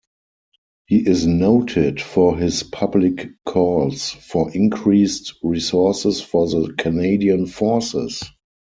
He is noted for his public calls for increased resources for the Canadian Forces.